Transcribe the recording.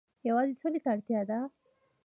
یوازې سولې ته اړتیا ده.